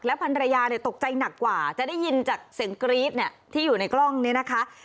พันรยาตกใจหนักกว่าจะได้ยินจากเสียงกรี๊ดเนี่ยที่อยู่ในกล้องเนี่ยนะคะ